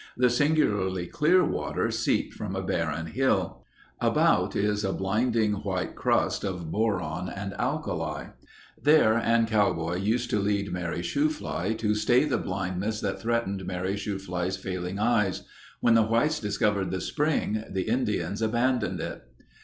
The singularly clear water seeped from a barren hill. About, is a blinding white crust of boron and alkali. There Ann Cowboy used to lead Mary Shoofly, to stay the blindness that threatened Mary Shoofly's failing eyes. When the whites discovered the spring, the Indians abandoned it.